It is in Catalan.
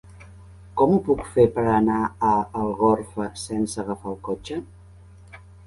Com ho puc fer per anar a Algorfa sense agafar el cotxe?